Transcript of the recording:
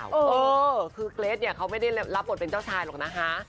เออคือเกรทเนี่ยเขาไม่ได้รับบทเป็นเจ้าชายหรอกนะคะ